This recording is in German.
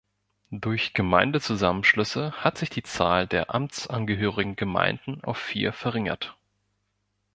Durch Gemeindezusammenschlüsse hat sich die Zahl der amtsangehörigen Gemeinden auf vier verringert.